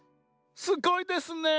すごいですね。